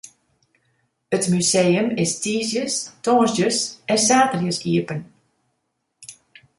It museum is tiisdeis, tongersdeis en saterdeis iepen.